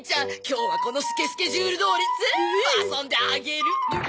今日はこのスケスケジュールどおり全部遊んであげる。